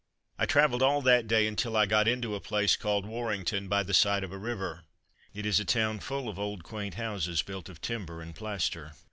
"I travelled all that day until I got into a place called Warrington, by the side of a river. It is a town full of old quaint houses built of timber and plaster.